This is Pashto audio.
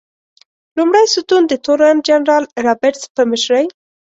لومړی ستون د تورن جنرال رابرټس په مشرۍ.